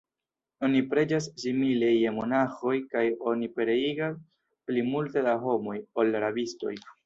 Oni preĝas simile je monaĥoj kaj oni pereigas pli multe da homoj, ol rabistoj.